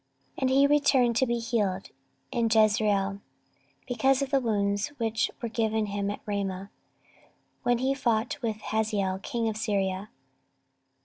14:022:006 And he returned to be healed in Jezreel because of the wounds which were given him at Ramah, when he fought with Hazael king of Syria.